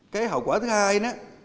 cái hậu quả thứ hai